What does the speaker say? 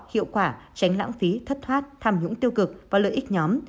hiệu quả tránh lãng phí thất thoát tham nhũng tiêu cực và lợi ích nhóm